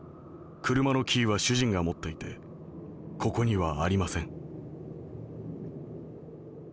『車のキーは主人が持っていてここにはありません』。